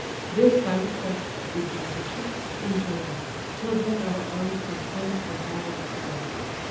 "This thy request (replied the chief) enjoy: Till then our arms suspend the fall of Troy."